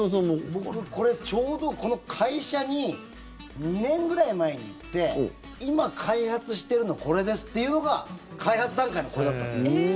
僕これ、ちょうどこの会社に２年ぐらい前に行って今、開発しているのがこれですっていうのが開発段階のこれだったんですよ。